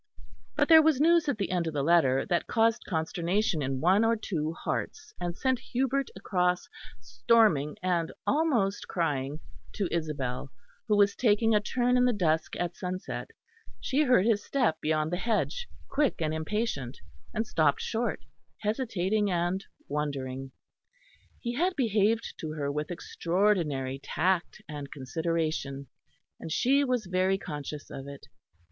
But there was news at the end of the letter that caused consternation in one or two hearts, and sent Hubert across, storming and almost crying, to Isabel, who was taking a turn in the dusk at sunset. She heard his step beyond the hedge, quick and impatient, and stopped short, hesitating and wondering. He had behaved to her with extraordinary tact and consideration, and she was very conscious of it.